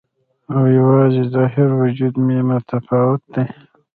او یوازې ظاهري وجود مې متفاوت دی